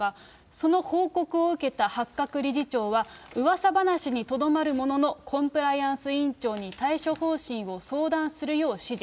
その報告を受けた八角理事長は、うわさ話にとどまるものの、コンプライアンス委員長に対処方針を相談するよう指示。